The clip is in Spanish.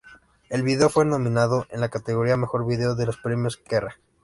El video fue nominado en la categoría "Mejor Video" de los premios Kerrang!